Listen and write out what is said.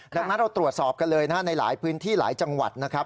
ดังนั้นเราตรวจสอบกันเลยนะฮะในหลายพื้นที่หลายจังหวัดนะครับ